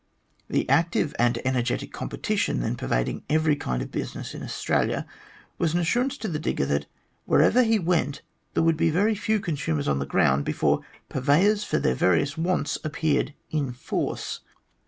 The active and energetic competition then pervading every kind of business in Australia was an assurance to the digger that wherever he went there would be very few consumers on the ground before purveyors for their various wants appeared in force.